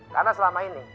karena selama ini